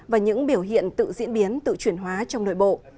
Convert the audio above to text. và những biểu hiện tự diễn biến tự chuyển hóa trong nội bộ